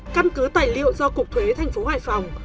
căn cứ tài liệu do cục thuế tp hoài phòng